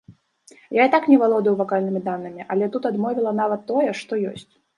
Я і так не валодаю вакальнымі данымі, але тут адмовіла нават тое, што ёсць.